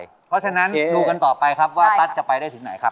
เพราะฉะนั้นดูกันต่อไปครับว่าตั๊ดจะไปได้ถึงไหนครับ